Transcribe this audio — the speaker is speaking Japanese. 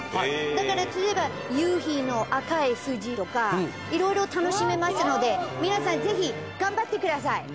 だから例えば夕日の赤い富士とかいろいろ楽しめますので皆さんぜひ。